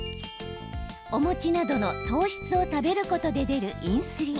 お餅などの糖質を食べることで出るインスリン。